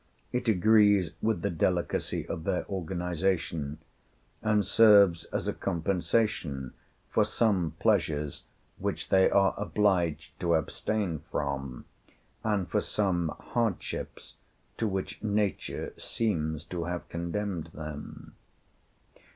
It agrees with the delicacy of their organization, and serves as a compensation for some pleasures which they are obliged to abstain from, and for some hardships to which nature seems to have condemned them.